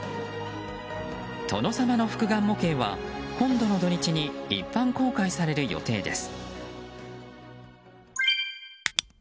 殿様の復顔模型は今度の土日に一般公開される予定です。